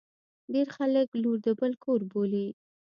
ډیر خلګ لور د بل کور بولي.